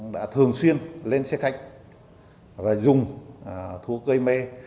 đã thường xuyên lên xe khách và dùng thú gây mê